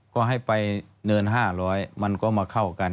ก็ให้ไปเนิน๕๐๐มันก็มาเข้ากัน